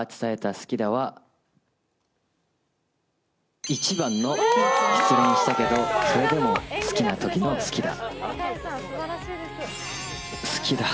好きだは１番の失恋したけどそれでも好きな時の好きだ。